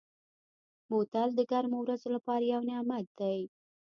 بوتل د ګرمو ورځو لپاره یو نعمت دی.